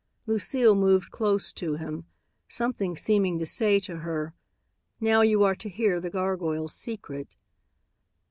Lucille moved close to him, something seeming to say to her, "Now you are to hear the gargoyle's secret."